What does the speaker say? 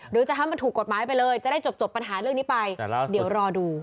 หรือจะทำให้มันถูกกฎหมายไปเลยจะได้จบปัญหาเรื่องนี้ไปเดี๋ยวรอดู